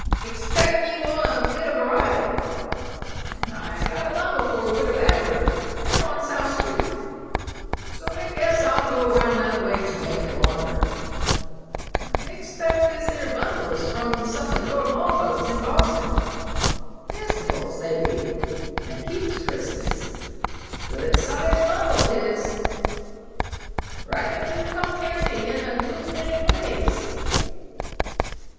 "'Xpect ye want a bit of a ride, and I've got a bundle for Widder Badger, down on South Street, so I guess I'll go 'round that way to make it longer. I 'xpect this 'ere bundle is from some of your ma's folks in Boston 'Piscopals they be and keeps Christmas. Good sized bundle 'tis; reckon it'll come handy in a good many ways."